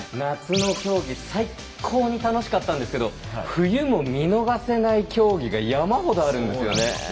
夏の競技最高に楽しかったんですけど冬も見逃せない競技が山ほどあるんですよね。